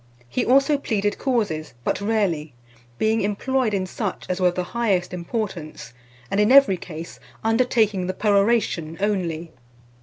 He also pleaded causes, but rarely, being employed in such as were of the highest importance, and in every case undertaking the peroration only.